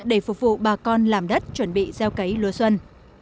để phục vụ bà con làm đất chuẩn bị gieo cấy lúa xuân